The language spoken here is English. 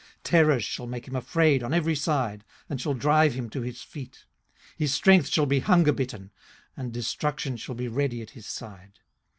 18:018:011 Terrors shall make him afraid on every side, and shall drive him to his feet. 18:018:012 His strength shall be hungerbitten, and destruction shall be ready at his side.